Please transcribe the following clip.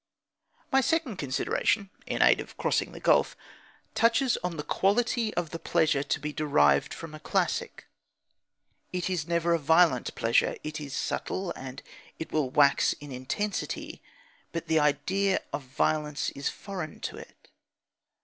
My second consideration (in aid of crossing the gulf) touches the quality of the pleasure to be derived from a classic. It is never a violent pleasure. It is subtle, and it will wax in intensity, but the idea of violence is foreign to it.